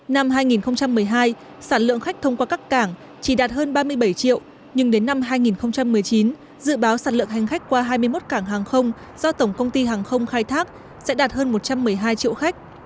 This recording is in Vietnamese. năm hai nghìn một mươi hai sản lượng khách thông qua các cảng chỉ đạt hơn ba mươi bảy triệu nhưng đến năm hai nghìn một mươi chín dự báo sản lượng hành khách qua hai mươi một cảng hàng không do tổng công ty hàng không khai thác sẽ đạt hơn một trăm một mươi hai triệu khách